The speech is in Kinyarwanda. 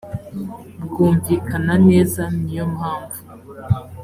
bwumvikana neza ni yo mpamvu